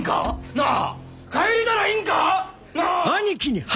なあ！